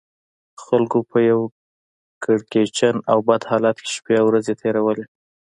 خلکو په یو کړکېچن او بد حالت کې شپې او ورځې تېرولې.